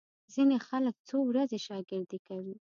ځینې خلک څو ورځې شاګردي کوي.